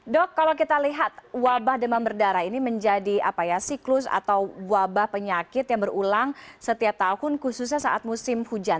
dok kalau kita lihat wabah demam berdarah ini menjadi siklus atau wabah penyakit yang berulang setiap tahun khususnya saat musim hujan